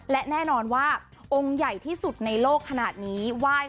และแน่นอนว่าองค์ใหญ่ที่สุดในโลกขนาดนี้ไหว้